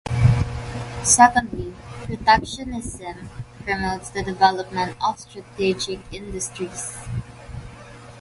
Secondly, protectionism promotes the development of strategic industries.